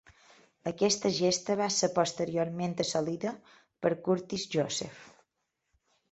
Aquesta gesta va ser posteriorment assolida per Curtis Joseph.